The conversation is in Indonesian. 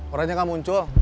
orangnya gak muncul